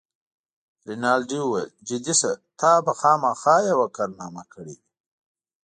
رینالډي وویل: جدي شه، تا به خامخا یوه کارنامه کړې وي.